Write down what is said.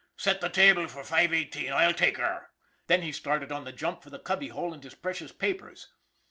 Set the table fer 518; I'll take her." Then he started on the jump for the cubby hole and his precious papers.